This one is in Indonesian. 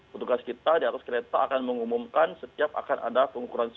petugas kita di atas kereta akan mengumumkan setiap akan ada pengukuran